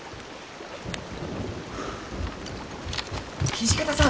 土方さん！